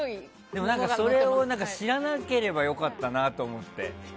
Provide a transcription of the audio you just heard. でも、それを知らなきゃ良かったなと思って。